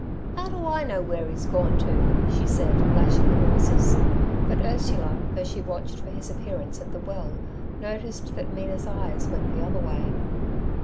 "Ow do I know where 'e's gone to?' she said, lashing the horses. But Ursula, though she watched for his appearance at the well, noticed that Mina's eyes went the other way.